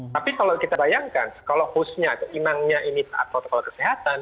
tapi kalau kita bayangkan kalau hostnya imamnya ini total kesehatan